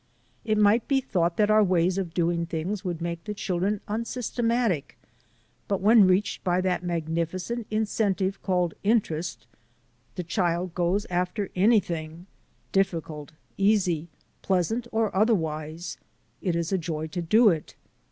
It might be thought that our ways of doing things would make the children unsystematic; but when reached by that magnificent incentive called in terest the child goes after anything — difficult, easy, pleasant, or otherwise. It is a joy to do it.